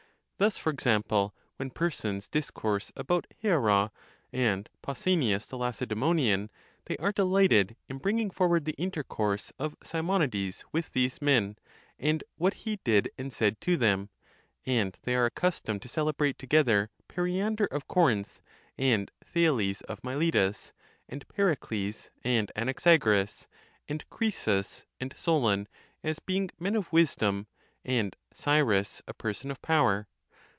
'Thus for example, when persons discourse about Hiero, and Pausanias the Lacedezmonian, they are delighted in bringing forward the intercourse of Simonides with these men, and what he did and said to them; and they are accus tomed to celebrate together Periander of Corinth, and Thales of Miletus ; and Pericles, and Anaxagoras ; and Creesus, and Solon, as being men of wisdom, and Cyrus, a person of power.